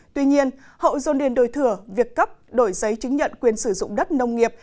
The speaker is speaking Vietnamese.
tuy nhiên hậu dồn điền đổi thừa việc cấp đổi giấy chứng nhận quyền sử dụng đất nông nghiệp